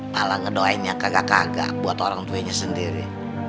pala ngedoainnya kagak kagak buat orang tuenya sendiri